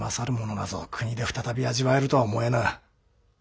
なぞ故郷で再び味わえるとは思えぬ。